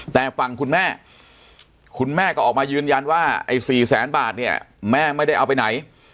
แต่ฝั่งคุณแม่คุณแม่ก็ออกมายืนยันว่าไอ้๔แสนบาทเนี่ยแม่ไม่ได้เอาไปไหน